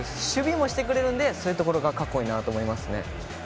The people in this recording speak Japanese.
守備もしてくれるんでそういうところがかっこいいなと思いますね。